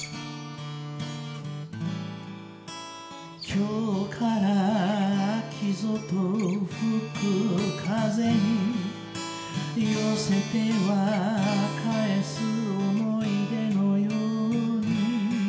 「今日から秋ぞと吹く風に寄せては返す思い出のように」